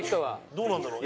どうなんだろう？